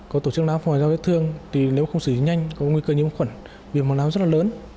có tổ chức não phòi ra vết thương thì nếu không xử dịch nhanh có nguy cơ nhiễm khuẩn vì màu não rất là lớn